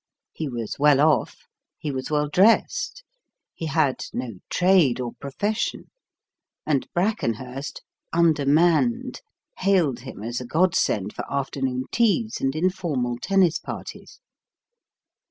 He was well off: he was well dressed: he had no trade or profession: and Brackenhurst, undermanned, hailed him as a godsend for afternoon teas and informal tennis parties.